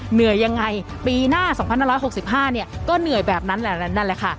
เหนื่อยยังไงปีหน้า๒๕๖๕เนี่ยก็เหนื่อยแบบนั้นแหละนั่นแหละค่ะ